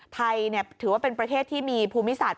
ถือว่าเป็นประเทศที่มีภูมิศาสต